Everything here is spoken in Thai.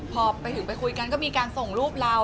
พอไปถึงไปคุยกันก็มีการส่งรูปเรา